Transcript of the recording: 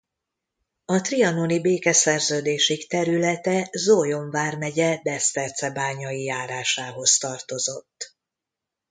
A trianoni békeszerződésig területe Zólyom vármegye Besztercebányai járásához tartozott.